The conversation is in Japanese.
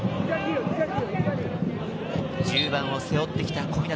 １０番を背負ってきた小湊。